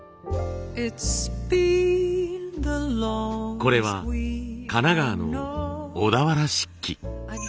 これは神奈川の小田原漆器。